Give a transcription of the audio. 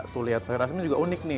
tuh lihat sayur asemnya juga unik nih